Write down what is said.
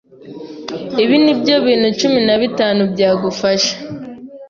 ibi nibyo bintu cumi nabitanu byagufasha